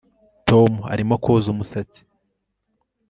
Tom arimo koza umusatsi